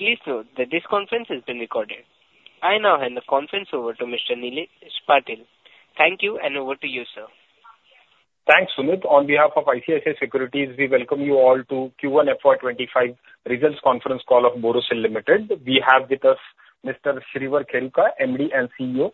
Please note that this conference has been recorded. I now hand the conference over to Mr. Nilesh Patil. Thank you, and over to you, sir. Thanks, Sunit. On behalf of ICICI Securities, we welcome you all to Q1 FY25 results conference call of Borosil Limited. We have with us Mr. Shreevar Kheruka, MD and CEO,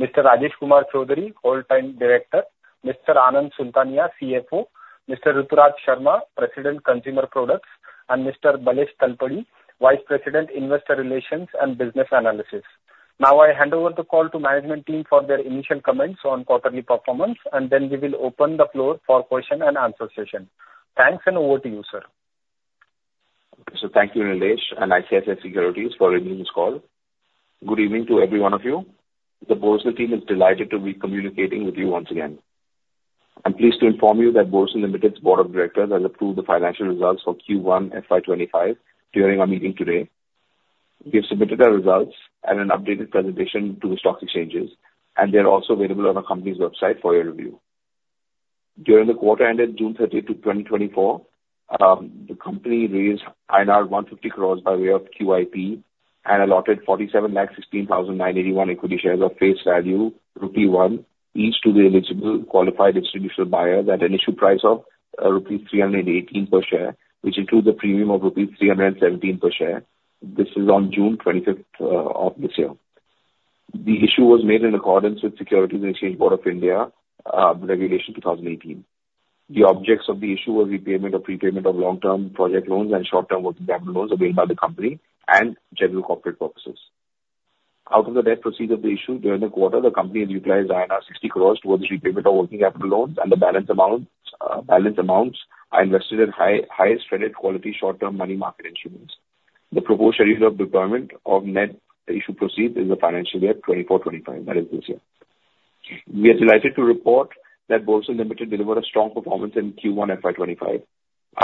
Mr. Rajesh Kumar Chaudhary, Whole Time Director, Mr. Anand Sultania, CFO, Mr. Rituraj Sharma, President, Consumer Products, and Mr. Balesh Talapady, Vice President, Investor Relations and Business Analysis. Now, I hand over the call to management team for their initial comments on quarterly performance, and then we will open the floor for question and answer session. Thanks, and over to you, sir. So thank you, Nilesh and ICICI Securities, for arranging this call. Good evening to every one of you. The Borosil team is delighted to be communicating with you once again. I'm pleased to inform you that Borosil Limited's board of directors has approved the financial results for Q1 FY2025 during our meeting today. We have submitted our results and an updated presentation to the stock exchanges, and they're also available on our company's website for your review. During the quarter ended June 30, 2024, the company raised INR 150 crores by way of QIP and allotted 4,716,981 equity shares of face value rupee 1 each to the eligible qualified institutional buyer at an issue price of rupee 318 per share, which includes a premium of rupee 317 per share. This is on June 25 of this year. The issue was made in accordance with Securities and Exchange Board of India Regulation 2018. The objects of the issue was repayment or prepayment of long-term project loans and short-term working capital loans availed by the company and general corporate purposes. Out of the net proceeds of the issue, during the quarter, the company has utilized INR 60 crores towards the repayment of working capital loans and the balance amounts are invested in highest credit quality short-term money market instruments. The proposed schedule of deployment of net issue proceeds is the financial year 2024-2025, that is this year. We are delighted to report that Borosil Limited delivered a strong performance in Q1 FY 2025.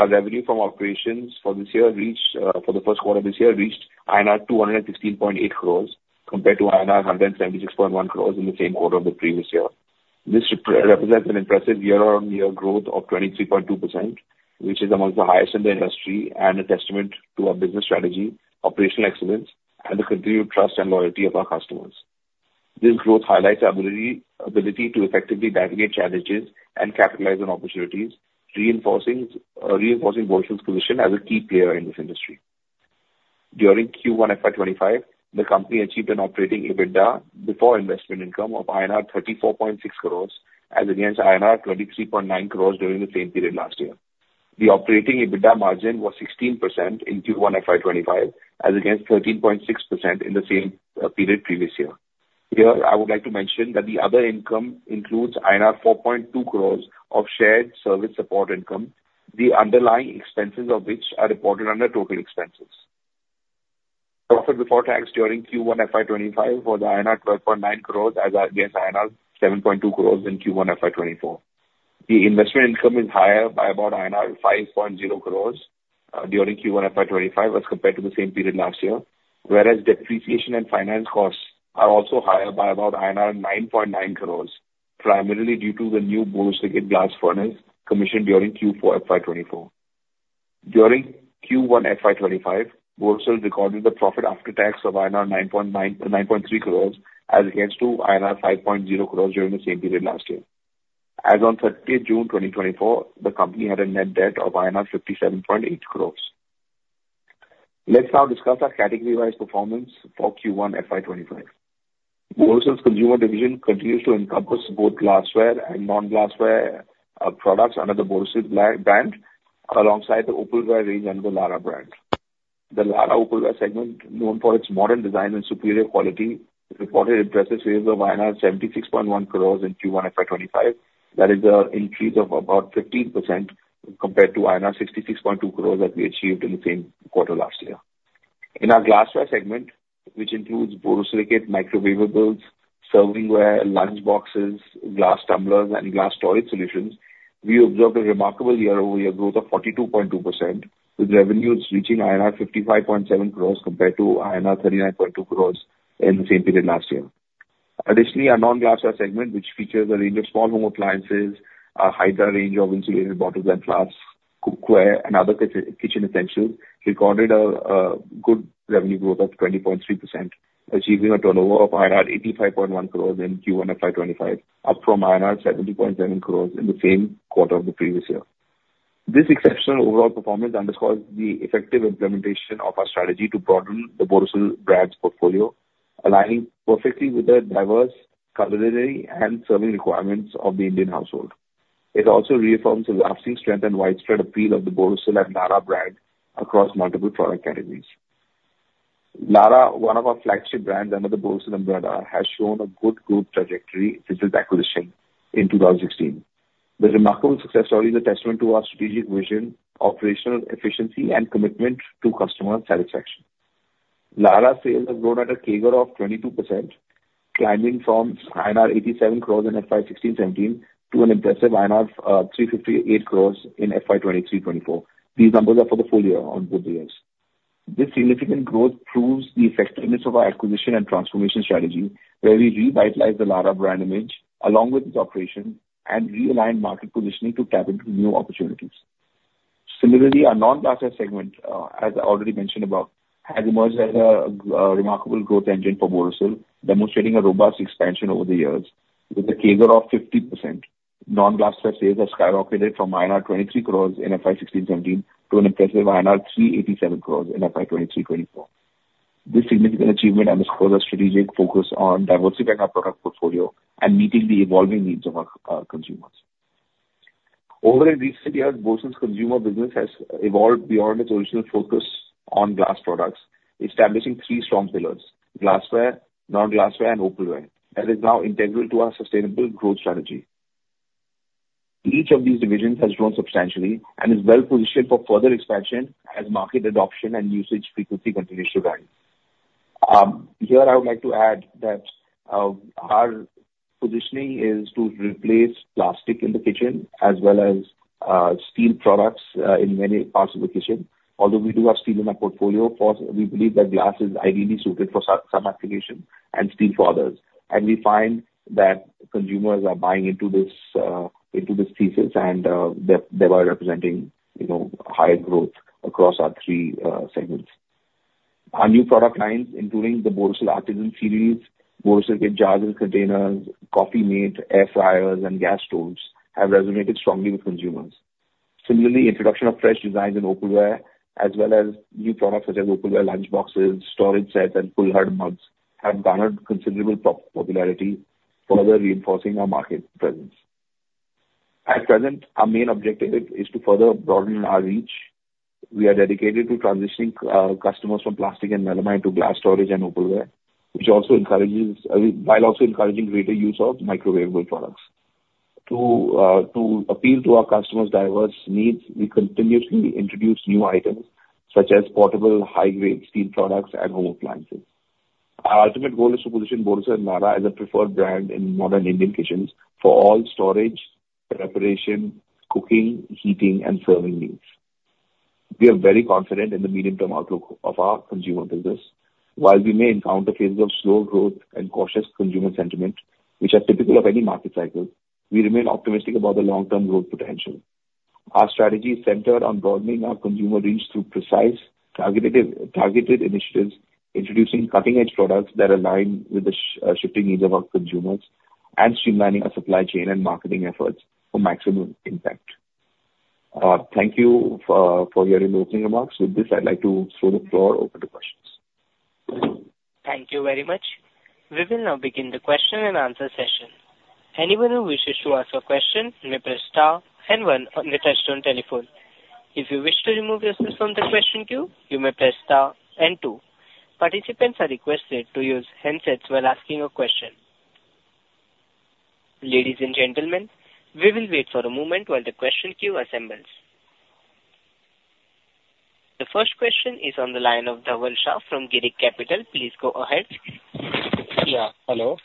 Our revenue from operations for this year reached for the first quarter of this year, reached INR 216.8 crores compared to INR 176.1 crores in the same quarter of the previous year. This represents an impressive year-on-year growth of 23.2%, which is amongst the highest in the industry and a testament to our business strategy, operational excellence, and the continued trust and loyalty of our customers. This growth highlights our ability to effectively navigate challenges and capitalize on opportunities, reinforcing Borosil's position as a key player in this industry. During Q1 FY 2025, the company achieved an operating EBITDA before investment income of INR 34.6 crores, as against INR 23.9 crores during the same period last year. The operating EBITDA margin was 16% in Q1 FY 2025, as against 13.6% in the same period previous year. Here, I would like to mention that the other income includes INR 4.2 crores of shared service support income, the underlying expenses of which are reported under total expenses. Profit before tax during Q1 FY 2025 was INR 12.9 crores as against INR 7.2 crores in Q1 FY 2024. The investment income is higher by about INR 5.0 crores during Q1 FY 2025 as compared to the same period last year. Whereas depreciation and finance costs are also higher by about 9.9 crores, primarily due to the new borosilicate glass furnace commissioned during Q4 FY 2024. During Q1 FY 2025, Borosil recorded a profit after tax of INR 9.9. INR 9.3 crores as against to INR 5.0 crores during the same period last year. As on thirtieth June 2024, the company had a net debt of INR 57.8 crores. Let's now discuss our category-wise performance for Q1 FY 2025. Borosil's consumer division continues to encompass both glassware and non-glassware products under the Borosil brand, alongside the opalware range and the Larah brand. The Larah Opalware segment, known for its modern design and superior quality, reported impressive sales of 76.1 crores in Q1 FY 2025. That is an increase of about 15% compared to 66.2 crores that we achieved in the same quarter last year. In our glassware segment, which includes borosilicate, microwavables, serving ware, lunchboxes, glass tumblers, and glass storage solutions, we observed a remarkable year-over-year growth of 42.2%, with revenues reaching INR 55.7 crores compared to INR 39.2 crores in the same period last year. Additionally, our non-glassware segment, which features a range of small home appliances, our Hydra range of insulated bottles and flasks, cookware, and other kitchen essentials, recorded a good revenue growth of 20.3%, achieving a turnover of INR 85.1 crores in Q1 FY 2025, up from INR 70.7 crores in the same quarter of the previous year. This exceptional overall performance underscores the effective implementation of our strategy to broaden the Borosil brand's portfolio, aligning perfectly with the diverse culinary and serving requirements of the Indian household. It also reaffirms the lasting strength and widespread appeal of the Borosil and Larah brand across multiple product categories. Larah, one of our flagship brands under the Borosil umbrella, has shown a good growth trajectory since its acquisition in 2016. The remarkable success story is a testament to our strategic vision, operational efficiency, and commitment to customer satisfaction. Larah's sales have grown at a CAGR of 22%, climbing from INR 87 crores in FY 2016-2017 to an impressive INR 358 crores in FY 2023-2024. These numbers are for the full year on both the years. This significant growth proves the effectiveness of our acquisition and transformation strategy, where we revitalized the Larah brand image along with its operation and realigned market positioning to tap into new opportunities. Similarly, our non-glassware segment, as I already mentioned about, has emerged as a remarkable growth engine for Borosil, demonstrating a robust expansion over the years with a CAGR of 50%. Non-glassware sales have skyrocketed from INR 23 crores in FY 2016-2017, to an impressive INR 387 crores in FY 2023-2024. This significant achievement underscores our strategic focus on diversifying our product portfolio and meeting the evolving needs of our consumers. Over in recent years, Borosil's consumer business has evolved beyond its original focus on glass products, establishing three strong pillars: glassware, non-glassware, and opalware, that is now integral to our sustainable growth strategy. Each of these divisions has grown substantially and is well positioned for further expansion as market adoption and usage frequency continues to rise. Here I would like to add that, our positioning is to replace plastic in the kitchen as well as, steel products, in many parts of the kitchen. Although we do have steel in our portfolio, for us, we believe that glass is ideally suited for some applications and steel for others. And we find that consumers are buying into this, into this thesis, and, they, they are representing, you know, higher growth across our three, segments. Our new product lines, including the Borosil Artisan series, Borosil jars and containers, Coffeemate, air fryers, and gas stoves, have resonated strongly with consumers. Similarly, introduction of fresh designs in opalware, as well as new products such as opalware lunchboxes, storage sets, and Kullad mugs, have garnered considerable popularity, further reinforcing our market presence. At present, our main objective is to further broaden our reach. We are dedicated to transitioning customers from plastic and melamine to glass storage and opalware, which also encourages, while also encouraging greater use of microwavable products. To appeal to our customers' diverse needs, we continuously introduce new items such as portable high-grade steel products and home appliances. Our ultimate goal is to position Borosil as a preferred brand in modern Indian kitchens for all storage, preparation, cooking, heating, and serving needs. We are very confident in the medium-term outlook of our consumer business. While we may encounter phases of slow growth and cautious consumer sentiment, which are typical of any market cycle, we remain optimistic about the long-term growth potential. Our strategy is centered on broadening our consumer reach through precise, targeted, targeted initiatives, introducing cutting-edge products that align with the shifting needs of our consumers and streamlining our supply chain and marketing efforts for maximum impact. Thank you for your opening remarks. With this, I'd like to throw the floor open to questions. Thank you very much. We will now begin the question and answer session. Anyone who wishes to ask a question may press star and one on your touchtone telephone. If you wish to remove yourself from the question queue, you may press star and two. Participants are requested to use handsets while asking a question. Ladies and gentlemen, we will wait for a moment while the question queue assembles. The first question is on the line of Dhaval Shah from Girik Capital. Please go ahead. Yeah. Hello?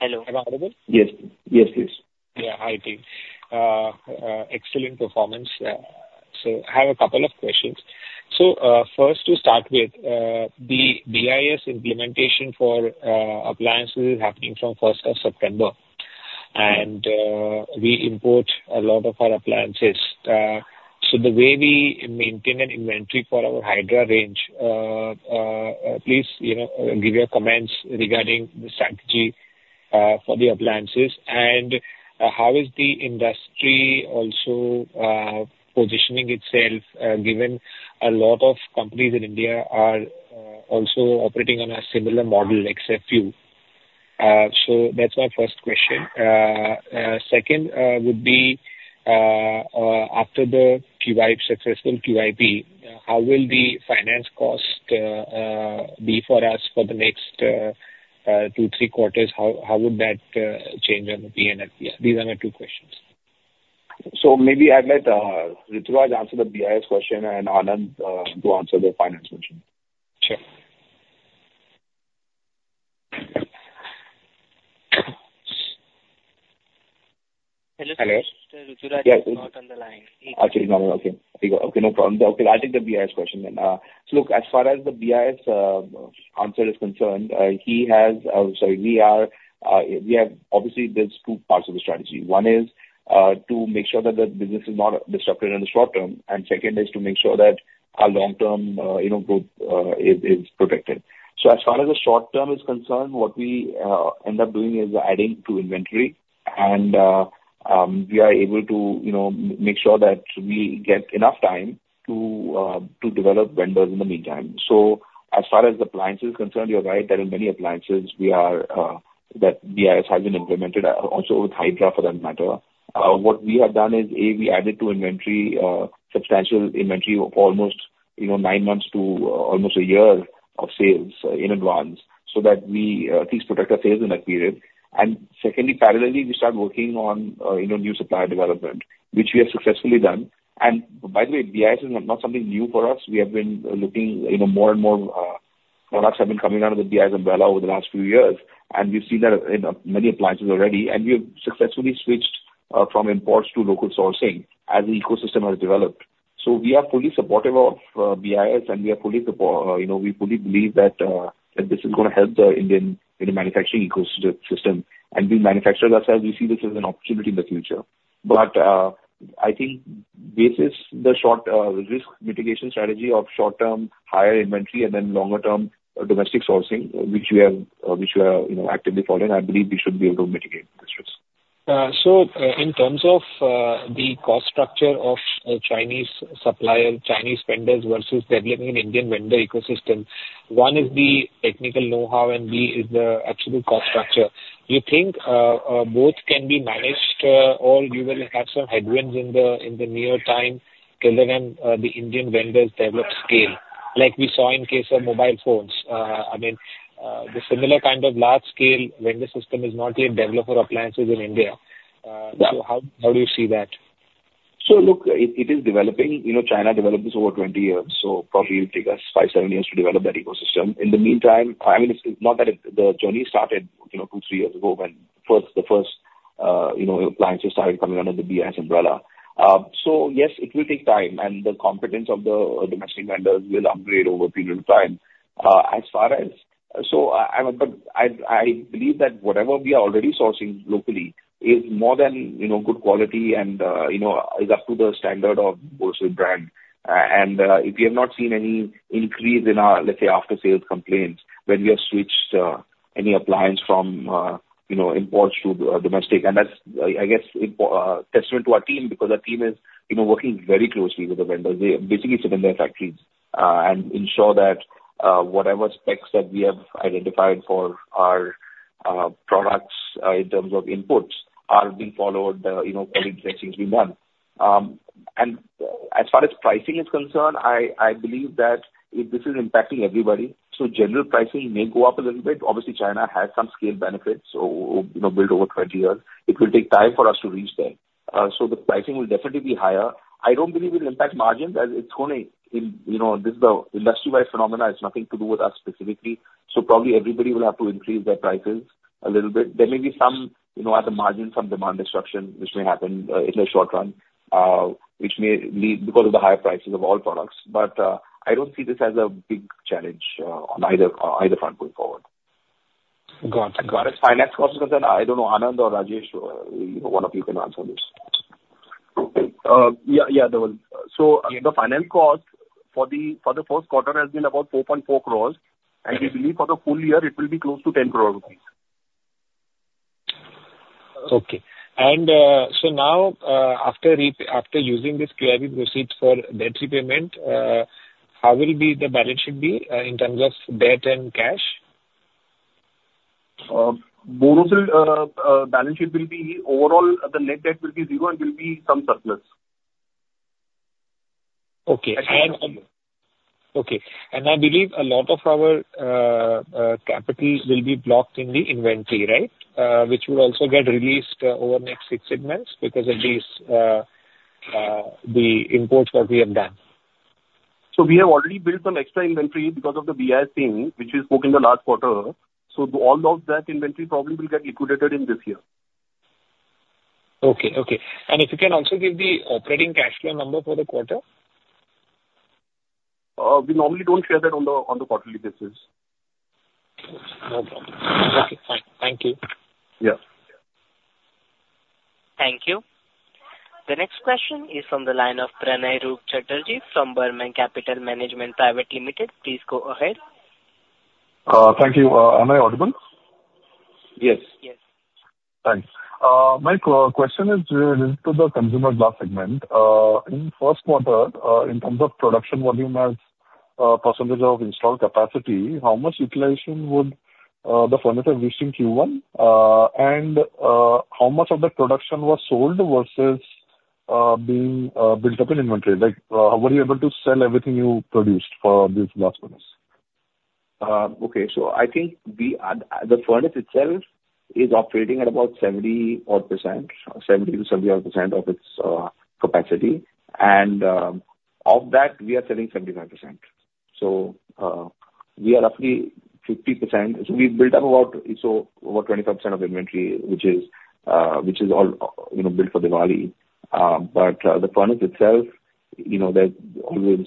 Hello. Am I audible? Yes. Yes, please. Yeah. Hi, team. Excellent performance. So, I have a couple of questions. So, first to start with, the BIS implementation for appliances is happening from first of September, and we import a lot of our appliances. So, the way we maintain an inventory for our Hydra range, please, you know, give your comments regarding the strategy for the appliances. And, how is the industry also positioning itself, given a lot of companies in India are also operating on a similar model, except you? So that's my first question. Second, would be, after the QIP, successful QIP, how will the finance cost be for us for the next two, three quarters? How would that change and be in FY? These are my two questions. Maybe I'd like Rituraj to answer the BIS question and Anand to answer the finance question. Sure. Hello, sir. Hello. Rituraj is not on the line. Okay, he's not on. Okay. Okay, no problem. Okay, I'll take the BIS question then. So look, as far as the BIS answer is concerned. Sorry, we have obviously there's two parts of the strategy. One is to make sure that the business is not disrupted in the short term, and second is to make sure that our long-term, you know, growth is protected. So as far as the short term is concerned, what we end up doing is adding to inventory, and we are able to, you know, make sure that we get enough time to develop vendors in the meantime. So as far as the appliance is concerned, you're right, there are many appliances we are that BIS has been implemented, also with Hydra, for that matter. What we have done is, A, we added to inventory, substantial inventory of almost, you know, nine months to, almost a year of sales in advance, so that we, at least protect our sales in that period. And secondly, parallelly, we start working on, you know, new supplier development, which we have successfully done. And by the way, BIS is not something new for us. We have been looking, you know, more and more, products have been coming out of the BIS umbrella over the last few years, and we've seen that in, many appliances already, and we've successfully switched, from imports to local sourcing as the ecosystem has developed. So we are fully supportive of BIS, and we are fully supportive, you know, we fully believe that this is gonna help the Indian, you know, manufacturing ecosystem. We manufacture ourselves, we see this as an opportunity in the future. I think this is the short risk mitigation strategy of short-term higher inventory, and then longer-term domestic sourcing, which we have, you know, actively followed. I believe we should be able to mitigate this risk. So, in terms of the cost structure of Chinese supplier, Chinese vendors versus developing an Indian vendor ecosystem, one is the technical know-how and B is the absolute cost structure. You think both can be managed, or you will have some headwinds in the near time till then the Indian vendors develop scale, like we saw in case of mobile phones? I mean, the similar kind of large-scale vendor system is not yet developed for appliances in India. So how do you see that? So look, it is developing. You know, China developed this over 20 years, so probably it'll take us 5-7 years to develop that ecosystem. In the meantime, I mean, it's not that it-- the journey started, you know, 2-3 years ago when the first appliances started coming under the BIS umbrella. So yes, it will take time, and the competence of the domestic vendors will upgrade over a period of time. As far as. So, but I believe that whatever we are already sourcing locally is more than, you know, good quality and, you know, is up to the standard of Borosil brand. And if you have not seen any increase in our, let's say, after-sales complaints, when we have switched any appliance from, you know, imports to domestic. And that's, I guess, important testament to our team, because our team is, you know, working very closely with the vendors. They basically sit in their factories and ensure that whatever specs that we have identified for our products in terms of inputs are being followed, you know, quality checks being done. And as far as pricing is concerned, I believe that this is impacting everybody, so general pricing may go up a little bit. Obviously, China has some scale benefits, so, you know, built over 20 years. It will take time for us to reach there. So the pricing will definitely be higher. I don't believe it'll impact margins, as it's only, you know, this is the industry-wide phenomena, it's nothing to do with us specifically. So probably everybody will have to increase their prices a little bit. There may be some, you know, at the margin, some demand disruption which may happen, in the short run, which may lead because of the higher prices of all products. But, I don't see this as a big challenge, on either, on either front going forward. Got you. As far as finance cost is concerned, I don't know, Anand or Rajesh, you know, one of you can answer this. Yeah, yeah, Dhaval. So the finance cost for the first quarter has been about 4.4 crore, and we believe for the full year it will be close to 10 crore rupees. Okay. So now, after using this QIP proceeds for debt repayment, how will the balance sheet be in terms of debt and cash? Borosil balance sheet will be overall, the net debt will be zero, and will be some surplus. Okay. And- That's it. Okay, and I believe a lot of our capital will be blocked in the inventory, right? Which will also get released over the next six to eight months because of these, the imports that we have done. We have already built some extra inventory because of the BIS thing, which we spoke in the last quarter. All of that inventory probably will get liquidated in this year. Okay, okay. And if you can also give the operating cash flow number for the quarter? We normally don't share that on the quarterly basis. No problem. Okay, fine. Thank you. Yeah. Thank you. The next question is from the line of Pranay Roop Chatterjee from Burman Capital Management. Please go ahead. Thank you. Am I audible? Yes. Thanks. My question is related to the consumer glass segment. In the first quarter, in terms of production volume as a percentage of installed capacity, how much utilization would the furnace reach in Q1? And how much of the production was sold versus being built up in inventory? Like, were you able to sell everything you produced for these glass products? Okay. So I think the furnace itself is operating at about 70-odd%, or 70 to 70-odd% of its capacity. And of that, we are selling 75%. So we are roughly 50%. So we built up about, so over 25% of inventory, which is all, you know, built for Diwali. But the furnace itself, you know, that always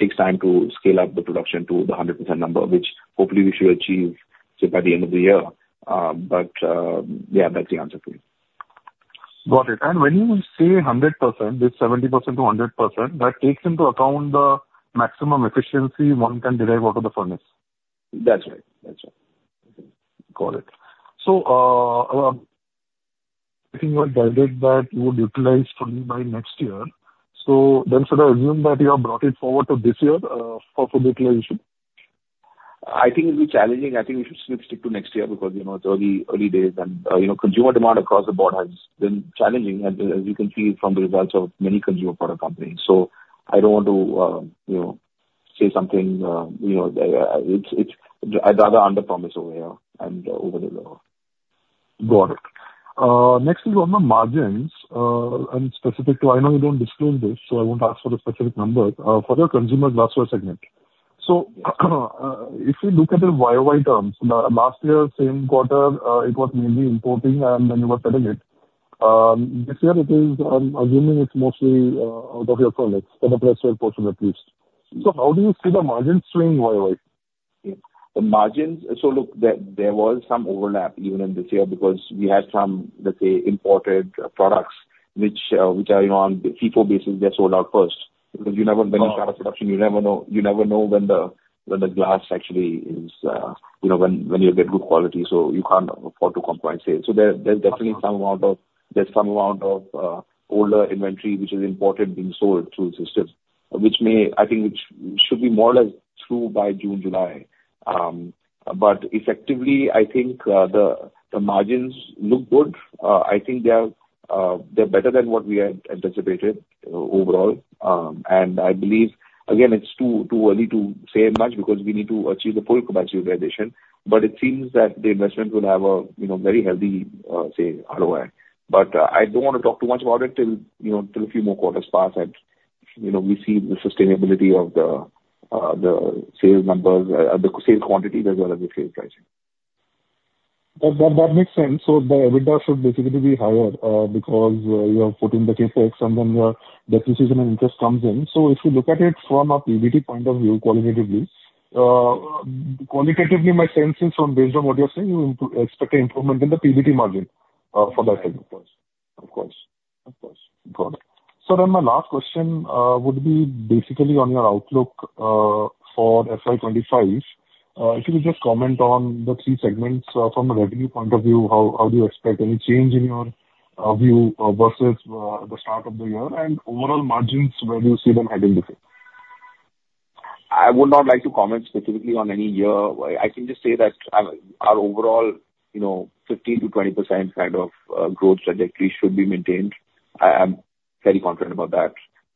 takes time to scale up the production to the 100% number, which hopefully we should achieve, say, by the end of the year. But yeah, that's the answer for you. Got it. When you say 100%, this 70%-100%, that takes into account the maximum efficiency one can derive out of the furnace? That's right. That's right. Got it. So, I think you had guided that you would utilize fully by next year. So then should I assume that you have brought it forward to this year, for full utilization? I think it'll be challenging. I think we should still stick to next year because, you know, it's early, early days, and, you know, consumer demand across the board has been challenging, and as you can see from the results of many consumer product companies. So I don't want to, you know, say something, you know, I'd rather under promise over here and overdeliver. Got it. Next is on the margins, and specific to, I know you don't disclose this, so I won't ask for the specific number, for the consumer glassware segment. So, if you look at the YOY terms, last year, same quarter, it was mainly importing and then you were selling it. This year it is, I'm assuming it's mostly, out of your furnace, for the flatware portion at least. So how do you see the margins doing YOY? Yeah. The margins, so look, there was some overlap even in this year, because we had some, let's say, imported products, which, which are, you know, on the FIFO basis, they are sold out first. Because you never, when you start a production, you never know, you never know when the, when the glass actually is, you know, when, when you'll get good quality, so you can't afford to compromise it. So there, there's definitely some amount of, there's some amount of, older inventory which is imported, being sold through the systems, which may, I think, which should be more or less through by June, July. But effectively, I think, the margins look good. I think they are, they're better than what we had anticipated overall. And I believe, again, it's too, too early to say much, because we need to achieve the full capacity utilization. But it seems that the investment will have a, you know, very healthy, say, ROI. But, I don't wanna talk too much about it till, you know, till a few more quarters pass and, you know, we see the sustainability of the, the sales numbers, the sales quantities as well as the sales pricing. That makes sense. So the EBITDA should basically be higher, because you have put in the CapEx, and then your depreciation and interest comes in. So if you look at it from a PBT point of view, qualitatively, my sense is from based on what you're saying, you expect an improvement in the PBT margin, for that in the course. Of course. Of course. Got it. So then my last question would be basically on your outlook for FY 2025. If you could just comment on the three segments from a revenue point of view, how do you expect any change in your view versus the start of the year? And overall margins, where do you see them heading different? I would not like to comment specifically on any year. I can just say that, our overall, you know, 15%-20% kind of growth trajectory should be maintained. I'm very confident about that.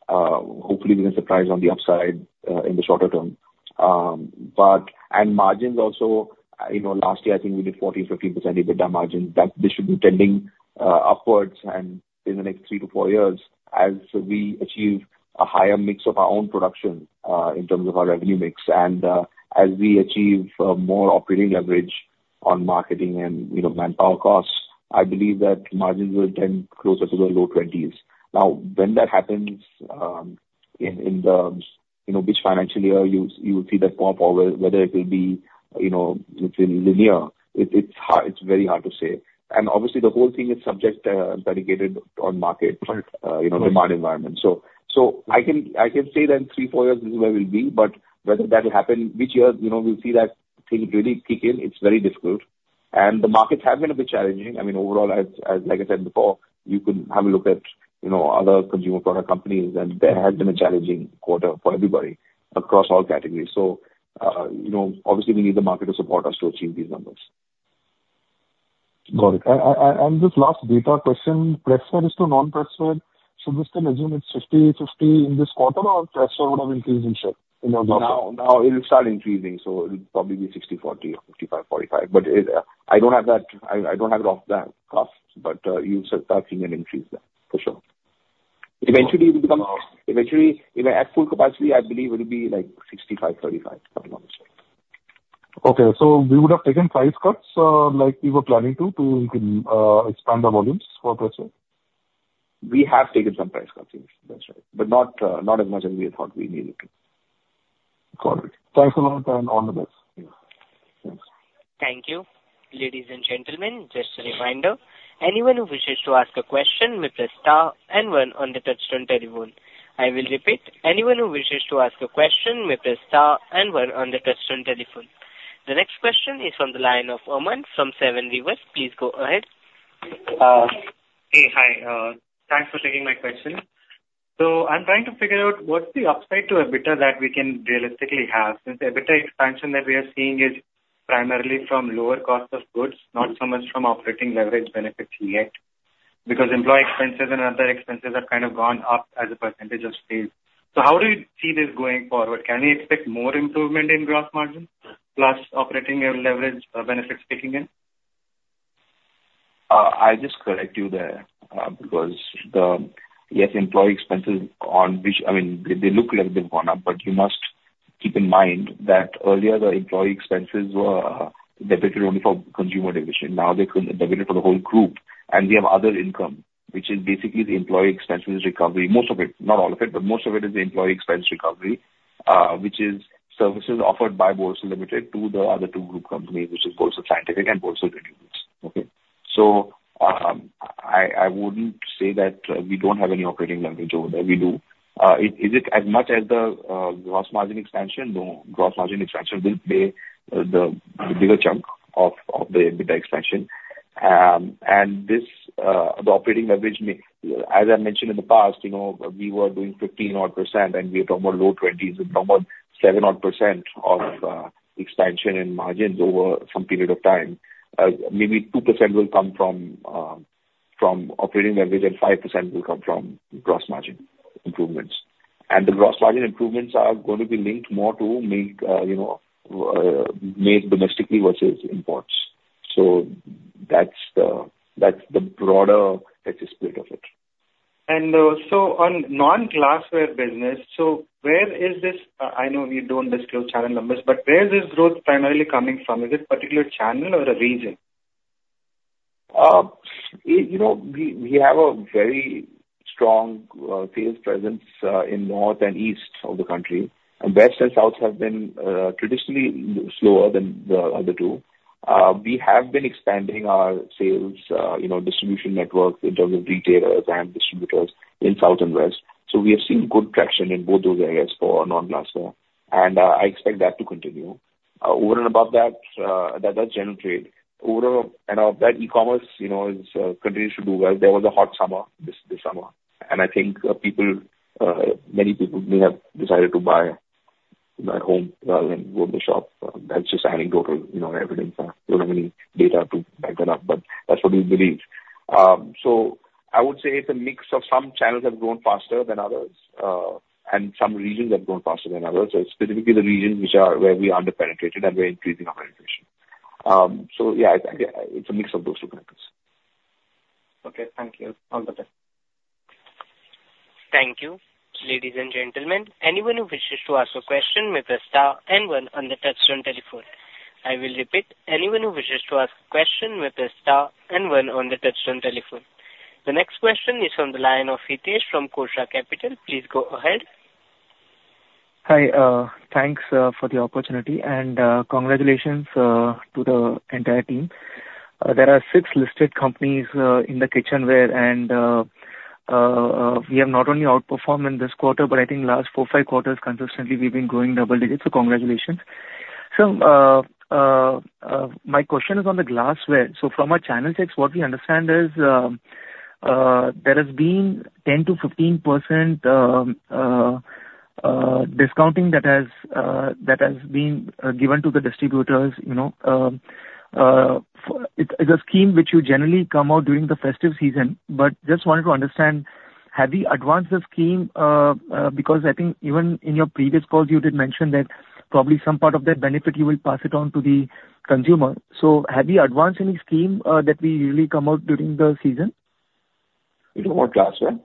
Hopefully, we can surprise on the upside, in the shorter term. But, I Imagine also, you know, last year, I think we did 40-50% EBITDA margins, that they should be tending, upwards and in the next 3-4 years, as we achieve a higher mix of our own production, in terms of our revenue mix. And, as we achieve, more operating leverage on marketing and, you know, manpower costs, I believe that margins will tend closer to the low 20s. Now, when that happens, in the, you know, which financial year you will see that pop over, whether it will be, you know, it's non-linear, it's hard. It's very hard to say. And obviously, the whole thing is subject, dependent on market, you know, demand environment. Right. So I can say that in 3-4 years, this is where we'll be, but whether that will happen, which year, you know, we'll see that thing really kick in, it's very difficult. And the markets have been a bit challenging. I mean, overall, as like I said before, you could have a look at, you know, other consumer product companies, and there has been a challenging quarter for everybody across all categories. So, you know, obviously, we need the market to support us to achieve these numbers. Got it. And just last data question, pressware versus non-pressware, so we can assume it's 50/50 in this quarter, or pressware would have increased in share in our. Now, now it'll start increasing, so it'll probably be 60/40 or 55/45. But, I don't have that. I, I don't have it off the top, but, you starting an increase there, for sure. Eventually, it will become. Uh. Eventually, you know, at full capacity, I believe it'll be like 65-35, something like this. Okay. So we would have taken price cuts, like we were planning to expand the volumes for pressware? We have taken some price cuts, yes. That's right. But not, not as much as we had thought we needed to. Got it. Thanks a lot, and all the best. Yeah. Thanks. Thank you. Ladies and gentlemen, just a reminder, anyone who wishes to ask a question may press star and one on the touch-tone telephone. I will repeat, anyone who wishes to ask a question, may press star and one on the touch-tone telephone. The next question is from the line of Aman from Seven Rivers. Please go ahead. Hey, hi. Thanks for taking my question. So I'm trying to figure out what's the upside to EBITDA that we can realistically have, since the EBITDA expansion that we are seeing is primarily from lower cost of goods, not so much from operating leverage benefits yet. Because employee expenses and other expenses have kind of gone up as a percentage of sales. So how do you see this going forward? Can we expect more improvement in gross margin, plus operating leverage benefits kicking in? I'll just correct you there, because the.. Yes, employee expenses on which, I mean, they look like they've gone up, but you must keep in mind that earlier the employee expenses were dedicated only for consumer division. Now they're dedicated for the whole group. And we have other income, which is basically the employee expenses recovery. Most of it, not all of it, but most of it is the employee expense recovery, which is services offered by Borosil Limited to the other two group companies, which is Borosil Scientific and Borosil Renewables. Okay? So, I wouldn't say that we don't have any operating leverage over there. We do. Is it as much as the gross margin expansion? No. Gross margin expansion will play the bigger chunk of the EBITDA expansion. And this, the operating leverage may, as I mentioned in the past, you know, we were doing 15 odd %, and we are talking about low 20s. We're talking about 7 odd % of expansion in margins over some period of time. Maybe 2% will come from from operating leverage, and 5% will come from gross margin improvements. And the gross margin improvements are going to be linked more to make, you know, made domestically versus imports. So that's the, that's the broader exit split of it. So, on non-glassware business, so where is this... I know we don't disclose channel numbers, but where is this growth primarily coming from? Is it particular channel or a region? You know, we have a very strong sales presence in North and East of the country, and West and South have been traditionally slower than the other two. We have been expanding our sales, you know, distribution network in terms of retailers and distributors in South and West. So we have seen good traction in both those areas for non-glassware, and I expect that to continue. Over and above that, that's general trade. Over and that e-commerce, you know, continues to do well. There was a hot summer this summer, and I think many people may have decided to buy at home rather than go to the shop. That's just anecdotal, you know, evidence. I don't have any data to back that up, but that's what we believe. So I would say it's a mix of some channels have grown faster than others, and some regions have grown faster than others. Specifically the regions which are, where we are under-penetrated, and we're increasing our penetration. So yeah, I think it's a mix of those two factors. Okay, thank you. All the best. Thank you. Ladies and gentlemen, anyone who wishes to ask a question may press star and one on the touch-tone telephone. I will repeat, anyone who wishes to ask a question may press star and one on the touch-tone telephone. The next question is from the line of Hitesh from Kotak Capital. Please go ahead. Hi, thanks for the opportunity, and congratulations to the entire team. There are six listed companies in the kitchenware and we have not only outperformed in this quarter, but I think last four, five quarters consistently we've been growing double digits, so congratulations. So my question is on the glassware. So from a channel check, what we understand is, there has been 10%-15% discounting that has been given to the distributors, you know. It's a scheme which you generally come out during the festive season. But just wanted to understand, have you advanced the scheme, because I think even in your previous calls you did mention that probably some part of that benefit you will pass it on to the consumer. Have you advanced any scheme that will usually come out during the season? You talking about glassware?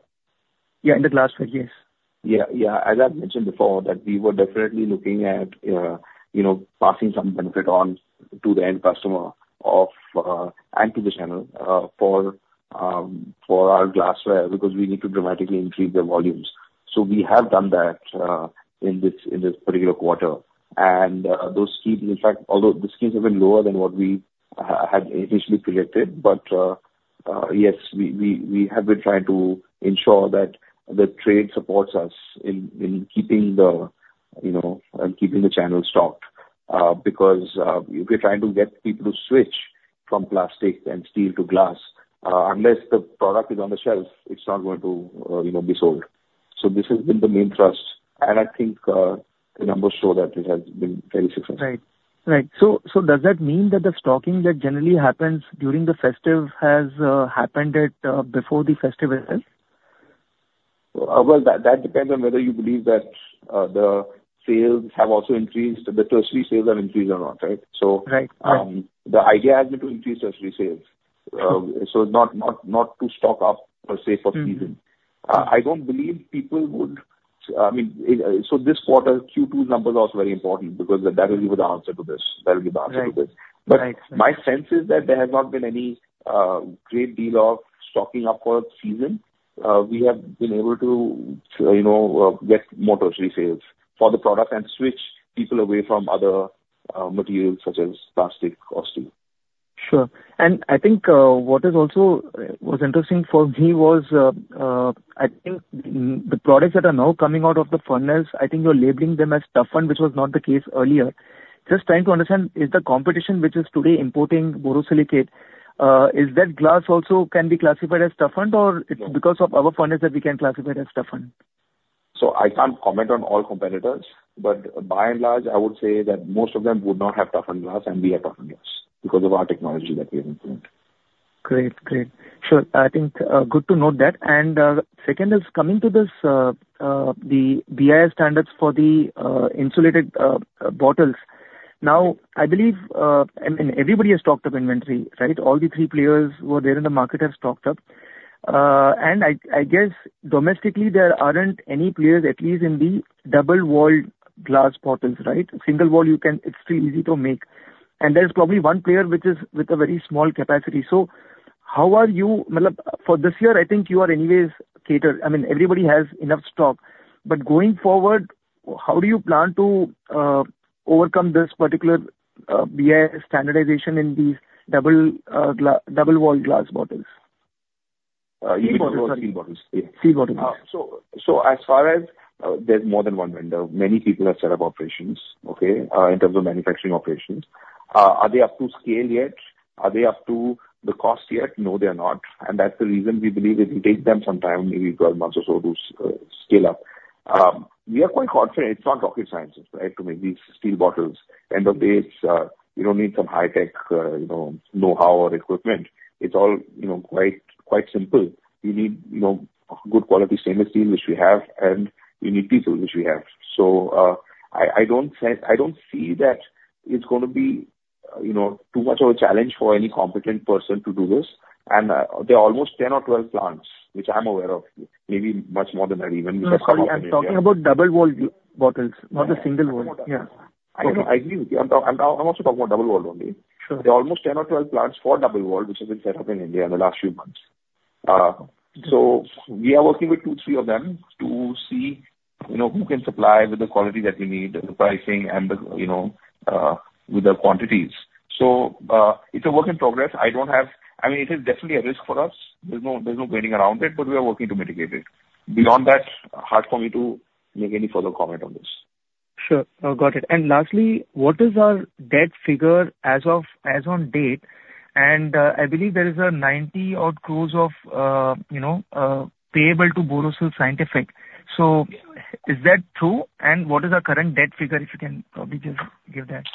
Yeah, in the glassware, yes. Yeah, yeah. As I mentioned before, that we were definitely looking at, you know, passing some benefit on to the end customer of, and to the channel, for our glassware because we need to dramatically increase the volumes. So we have done that, in this particular quarter. And, those schemes, in fact, although the schemes have been lower than what we had initially predicted. But, yes, we have been trying to ensure that the trade supports us in keeping the, you know, keeping the channel stocked. Because, we're trying to get people to switch from plastic and steel to glass. Unless the product is on the shelf, it's not going to, you know, be sold. This has been the main thrust, and I think, the numbers show that it has been very successful. Right. Right. So, so does that mean that the stocking that generally happens during the festive has happened at before the festive itself? Well, that, that depends on whether you believe that, the sales have also increased, the tertiary sales have increased or not, right? So- Right. The idea has been to increase tertiary sales. So not to stock up per se for season. Mm-hmm. I don't believe people would... I mean, so this quarter, Q2 numbers are also very important because that will give the answer to this, that will give the answer to this. Right. Right. But my sense is that there has not been any great deal of stocking up for season. We have been able to, you know, get more tertiary sales for the product and switch people away from other materials such as plastic or steel. Sure. And I think, what is also was interesting for me was, I think the products that are now coming out of the furnaces, I think you're labeling them as toughened, which was not the case earlier. Just trying to understand, is the competition which is today importing borosilicate, is that glass also can be classified as toughened, or- No It's because of our furnace that we can classify it as toughened? I can't comment on all competitors, but by and large, I would say that most of them would not have toughened glass, and we have toughened glass because of our technology that we have implemented. Great, great. Sure, I think, good to note that. And, second is coming to this, the BIS standards for the, insulated, bottles. Now, I believe, I mean, everybody has stocked up inventory, right? All three players who are there in the market have stocked up. And I, I guess domestically, there aren't any players, at least in the double-walled glass bottles, right? Single wall, you can... it's pretty easy to make. And there's probably one player which is with a very small capacity. So how are you, for this year, I think you are anyways catered. I mean, everybody has enough stock, but going forward, how do you plan to, overcome this particular, BIS standardization in these double, double-walled glass bottles? Steel bottles. Steel bottles. Yeah. Steel bottles. So as far as there's more than one vendor. Many people have set up operations, okay, in terms of manufacturing operations. Are they up to scale yet? Are they up to the cost yet? No, they are not, and that's the reason we believe it will take them some time, maybe 12 months or so, to scale up. We are quite confident it's not rocket science, right, to make these steel bottles. End of day, it's, you don't need some high-tech, you know, know-how or equipment. It's all, you know, quite, quite simple. You need, you know, good quality stainless steel, which we have, and you need people, which we have. So, I don't see that it's going to be, you know, too much of a challenge for any competent person to do this. There are almost 10 or 12 plants which I'm aware of, maybe much more than that, even- No, sorry, I'm talking about double-walled bottles, not the single wall. Yeah. I know, I agree with you. I'm talking about double wall only. There are almost 10 or 12 plants for double wall, which have been set up in India in the last few months. So we are working with two, three of them to see, you know, who can supply with the quality that we need, the pricing and the, you know, with the quantities. So it's a work in progress. I don't have- I mean, it is definitely a risk for us. There's no getting around it, but we are working to mitigate it. Beyond that, hard for me to make any further comment on this. Sure. Got it. And lastly, what is our debt figure as of, as on date? And, I believe there is 90-odd crore payable to Borosil Scientific. So is that true? And what is our current debt figure, if you can, maybe just give that?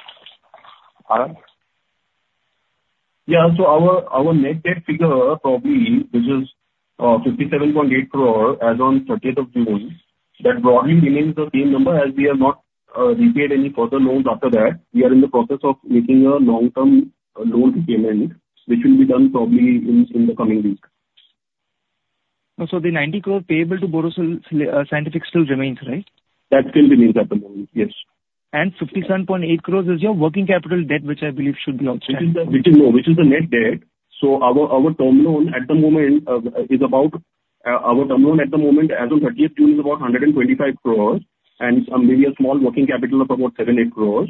Yeah, so our, our net debt figure, probably, which is 57.8 crore as on June 30, that broadly remains the same number, as we have not repaid any further loans after that. We are in the process of making a long-term loan payment, which will be done probably in, in the coming week. So the 90 crore payable to Borosil Scientific still remains, right? That still remains at the moment, yes. 57.8 crore is your working capital debt, which I believe should be on- Which is the net debt. So our term loan at the moment is about 125 crore and maybe a small working capital of about 7-8 crore.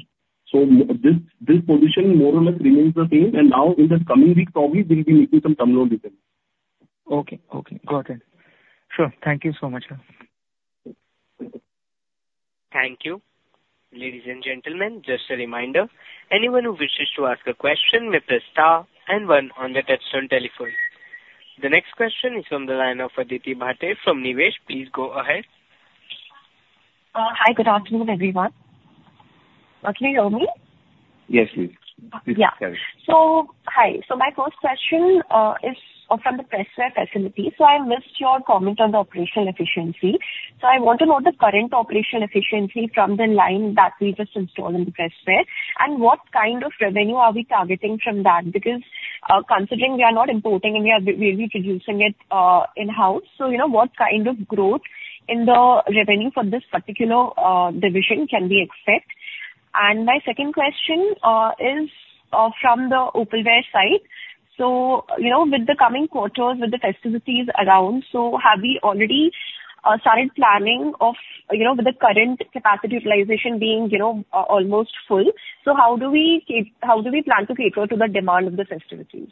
So this position more or less remains the same, and now in the coming weeks, probably we'll be making some term loan repayments. Okay. Okay. Got it. Sure. Thank you so much. Thank you. Ladies and gentlemen, just a reminder, anyone who wishes to ask a question may press star and one on the touchtone telephone. The next question is from the line of Aditi Bhatia, from Niveshaay. Please go ahead. Hi, good afternoon, everyone. Can you hear me? Yes, we can. Yeah. So, hi. So my first question is from the pressware facility. So I missed your comment on the operational efficiency. So I want to know the current operational efficiency from the line that we just installed in the pressware, and what kind of revenue are we targeting from that? Because, considering we are not importing and we are reproducing it in-house, so, you know, what kind of growth in the revenue for this particular division can we expect? And my second question is from the Opalware side. So, you know, with the coming quarters, with the festivities around, so have we already started planning of, you know, with the current capacity utilization being, you know, almost full, so how do we plan to cater to the demand of the festivities?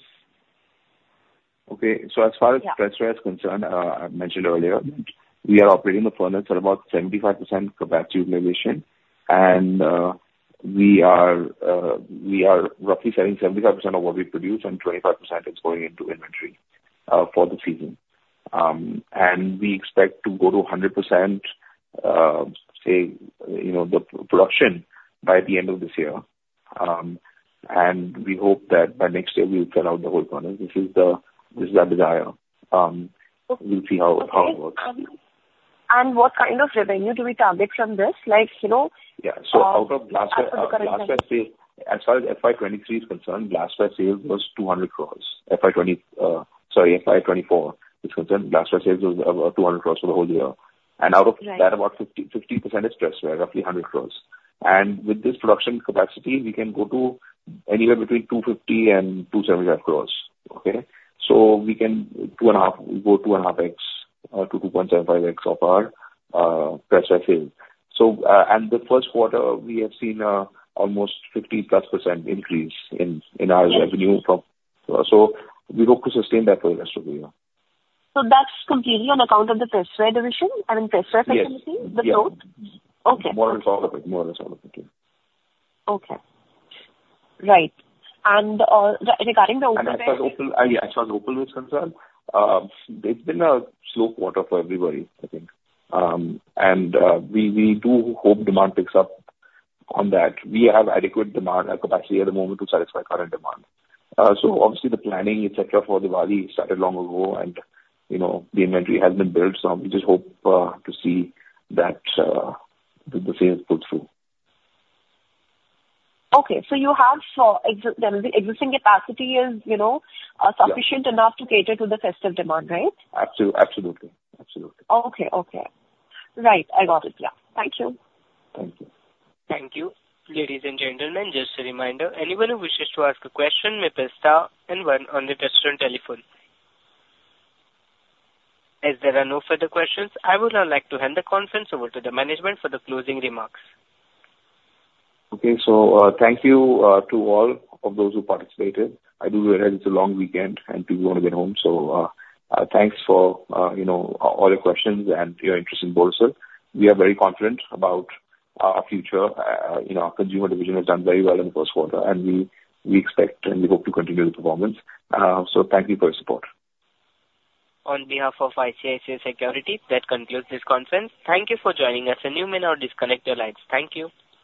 Okay. So as far as- Yeah. Pressware is concerned, I mentioned earlier, we are operating the furnace at about 75% capacity utilization. And we are roughly selling 75% of what we produce, and 25% is going into inventory for the season. And we expect to go to 100%, say, you know, the production by the end of this year. And we hope that by next year we'll sell out the whole product. This is the, this is our desire. We'll see how it, how it works. What kind of revenue do we target from this? Like, you know,- Yeah. So out of blast- After the current- As far as FY 2023 is concerned, glass furnace sales was 200 crore. FY 2024 is concerned, glass furnace sales was 200 crore for the whole year. Right. And out of that, about 50/50% is pressware, roughly 100 crore. And with this production capacity, we can go to anywhere between 250-275 crore. Okay? So we can 2.5, go 2.5x to 2.75x of our pressware sales. So, and the first quarter, we have seen almost 50%+ increase in our- Yes. So we hope to sustain that for the rest of the year. That's completely on account of the pressware division, I mean, pressware- Yes. -facility? Yeah. The growth. Okay. More or less all of it. More or less all of it, yeah. Okay. Right. Regarding the Opalware- As far as opal, yeah, as far as opal is concerned, it's been a slow quarter for everybody, I think. And we do hope demand picks up on that. We have adequate demand and capacity at the moment to satisfy current demand. So obviously the planning, et cetera, for Diwali started long ago and, you know, the inventory has been built, so we just hope to see that the sales pull through. Okay. So you have, the existing capacity is, you know- Yeah. sufficient enough to cater to the festive demand, right? Absol-absolutely. Absolutely. Okay. Okay. Right. I got it now. Thank you. Thank you. Thank you. Ladies and gentlemen, just a reminder, anyone who wishes to ask a question may press star and one on the touchtone telephone. As there are no further questions, I would now like to hand the conference over to the management for the closing remarks. Okay. So, thank you to all of those who participated. I do realize it's a long weekend, and people want to get home. So, thanks for, you know, all your questions and your interest in Borosil. We are very confident about our future. You know, our consumer division has done very well in the first quarter, and we expect and we hope to continue the performance. So thank you for your support. On behalf of ICICI Securities, that concludes this conference. Thank you for joining us, and you may now disconnect your lines. Thank you.